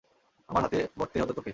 আমার হাতে মরতে হতো তোকে।